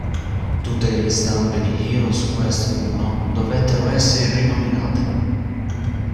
Tutte le ristampe di "Hero's Quest I" dovettero essere rinominate.